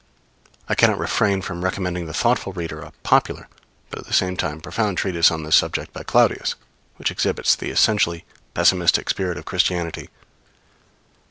I cannot refrain from recommending the thoughtful reader a popular, but at the same time, profound treatise on this subject by Claudius which exhibits the essentially pessimistic spirit of Christianity.